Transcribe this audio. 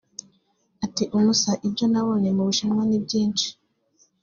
Ati”Umusa ibyo nabonye mu Bushinwa ni byinshi